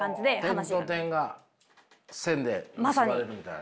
点と点が線で結ばれるみたいな。